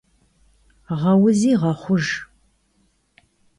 Ğeuzi ğexhujj.